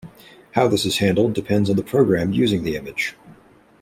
How this is handled depends on the program using the image.